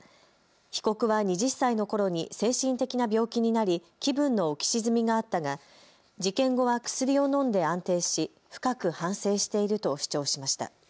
被告は２０歳のころに精神的な病気になり気分の浮き沈みがあったが事件後は薬を飲んで安定し深く反省していると主張しました。